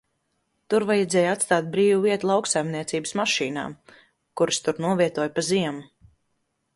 Tur vajadzēja atstāt brīvu vietu lauksaimniecības mašīnām, kuras tur novietoja pa ziemu.